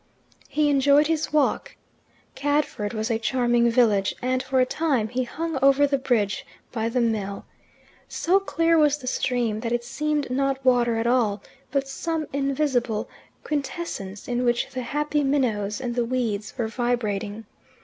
He enjoyed his walk. Cadford was a charming village and for a time he hung over the bridge by the mill. So clear was the stream that it seemed not water at all, but some invisible quintessence in which the happy minnows and the weeds were vibrating.